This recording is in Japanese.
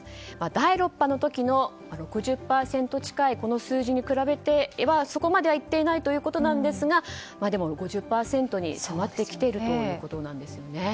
第６波の時の６０％近いこの数字に比べてはそこまではいっていないということですが５０％に迫ってきているということです。